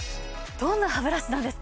どんなハブラシなんですか？